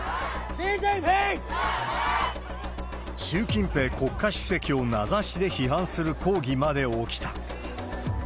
習近平国家主席を名指しで批判する抗議まで起きた。